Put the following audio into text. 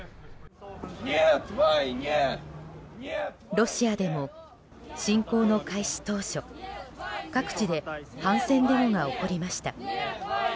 ロシアでも、侵攻の開始当初各地で反戦デモが起こりました。